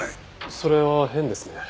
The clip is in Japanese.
それは変ですね。